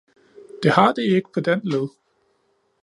Det har det ikke på den led